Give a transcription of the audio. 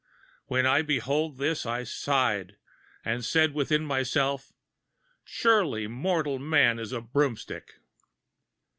When I behold this I sighed, and said within myself, "Surely mortal man is a broomstick!"